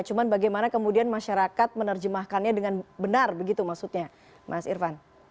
cuma bagaimana kemudian masyarakat menerjemahkannya dengan benar begitu maksudnya mas irvan